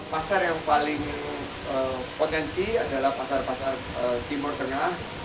pasar yang paling potensi adalah pasar pasar timur tengah